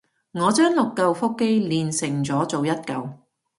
我將六舊腹肌鍊成咗做一舊